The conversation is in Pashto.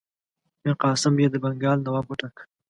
میرقاسم یې د بنګال نواب وټاکه.